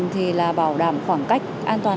thì là bảo đảm khoảng cách an toàn